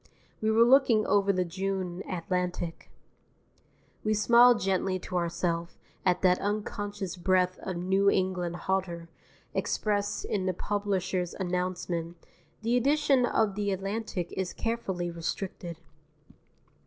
We were looking over the June Atlantic. We smiled gently to ourself at that unconscious breath of New England hauteur expressed in the publisher's announcement, "_The edition of the Atlantic is carefully restricted.